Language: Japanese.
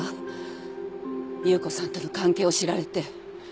夕子さんとの関係を知られて。